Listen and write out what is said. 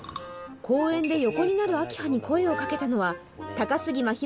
公園で横になる明葉に声をかけたのは高杉真宙